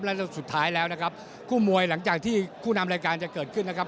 และสุดท้ายแล้วนะครับคู่มวยหลังจากที่คู่นำรายการจะเกิดขึ้นนะครับ